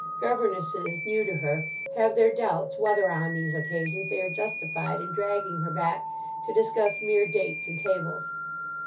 Governesses, new to her, have their doubts whether on these occasions they are justified in dragging her back to discuss mere dates and tables.